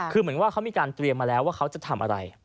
คือเหมือนว่าเขามีการเตรียมมาแล้วว่าเขาจะทำอะไร